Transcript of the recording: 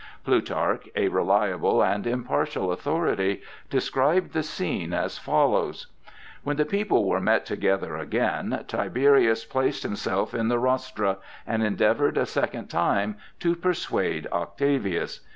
Plutarch, a reliable and impartial authority, describes the scene as follows: "When the people were met together again, Tiberius placed himself in the rostra and endeavored a second time to persuade Octavius.